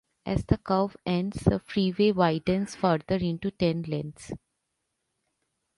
As the curve ends, the freeway widens further into ten lanes.